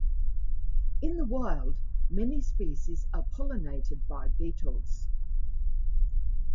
In the wild, many species are pollinated by beetles.